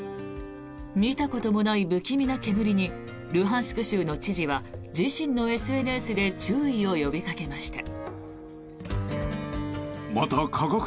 見たこともない不気味な煙にルハンシク州の知事は自身のＳＮＳで注意を呼びかけました。